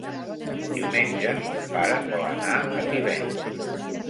Diumenge mon pare vol anar a Tivenys.